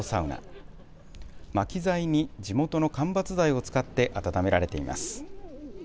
まき材に地元の間伐材を使って温められています。